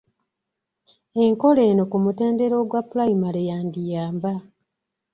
Enkola eno ku mutendera ogwa pulayimale yandiyamba.